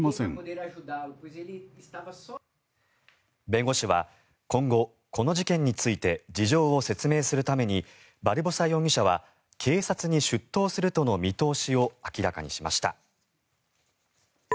弁護士は今後、この事件について事情を説明するためにバルボサ容疑者は警察に出頭するとの見通しを明らかにしました。